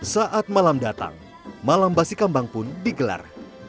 saat malam datang malam basi kambang pun digelar